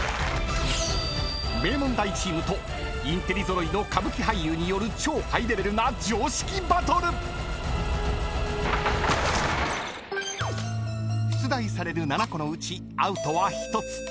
［名門大チームとインテリ揃いの歌舞伎俳優による超ハイレベルな常識バトル！］［出題される７個のうちアウトは１つ］